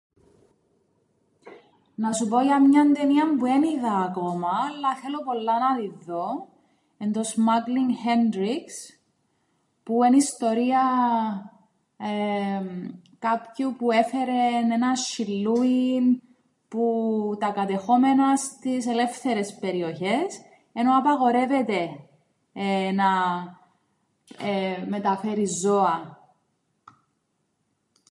Να σου πω για μιαν ταινίαν που εν είδα ακόμα αλλά θέλω πολλά να την δω, εν' το Smuggling Hendrix, που εν' η ιστορία κάποιου που έφερεν έναν σ̆σ̆υλλούιν που τα κατεχόμενα στις ελεύθερες περιοχές ενώ απαγορεύεται να μεταφέρεις ζώα